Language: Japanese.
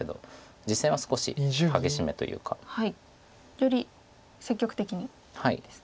より積極的にですね。